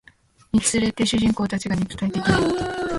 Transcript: につれて主人公たちが肉体的にも